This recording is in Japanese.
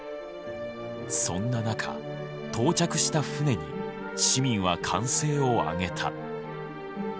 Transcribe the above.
そんな中到着した船に市民は歓声をあげた。